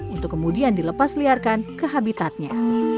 untuk kemudian dilepasliarkan ke habitatnya